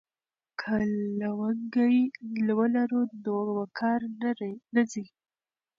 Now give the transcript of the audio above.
که لونګۍ ولرو نو وقار نه ځي.